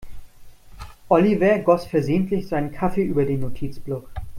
Oliver goss versehentlich seinen Kaffee über den Notizblock.